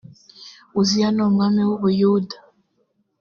uziya ni umwami w’u buyuda